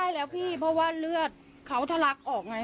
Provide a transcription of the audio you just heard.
ใช่แล้วพี่เพราะว่าเลือดเขาทะลักออกไง